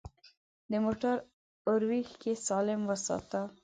د موټر اورېښکۍ سالم وساته.